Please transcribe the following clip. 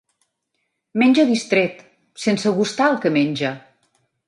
Menja distret, sense gustar el que menja.